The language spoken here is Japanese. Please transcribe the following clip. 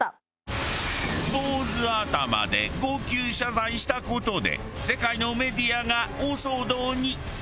坊主頭で号泣謝罪した事で世界のメディアが大騒動に。